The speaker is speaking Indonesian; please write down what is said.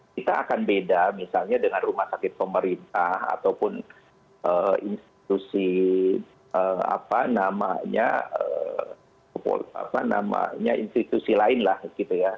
kita akan beda misalnya dengan rumah sakit pemerintah ataupun institusi apa namanya institusi lain lah gitu ya